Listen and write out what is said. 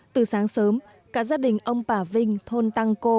từ sáng sớm cả gia đình ông bà vinh thôn tăng cô